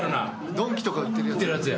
ドンキとか売ってるやつ。